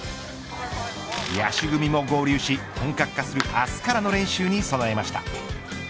野手組も合流し、本格化する明日からの練習に備えました。